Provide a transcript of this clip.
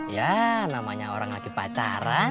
ya namanya orang lagi pacaran